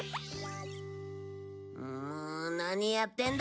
もう何やってんだ？